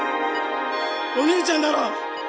お兄ちゃんだろ？